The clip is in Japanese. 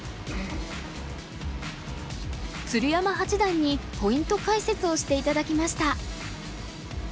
鶴山八段にポイント解説をして頂きました。